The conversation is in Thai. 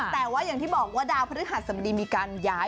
แต่ว่าอย่างที่บอกว่าดาวพระธรรมดีพึ่งกันยาย